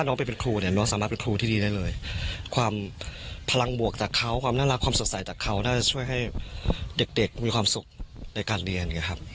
ไปเป็นครูเนี่ยน้องสามารถเป็นครูที่ดีได้เลยความพลังบวกจากเขาความน่ารักความสดใสจากเขาน่าจะช่วยให้เด็กมีความสุขในการเรียนไงครับ